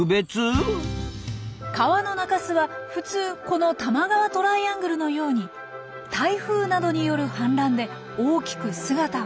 川の中州は普通この多摩川トライアングルのように台風などによる氾濫で大きく姿を変えます。